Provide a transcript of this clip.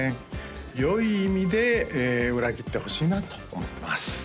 よい意味で裏切ってほしいなと思ってます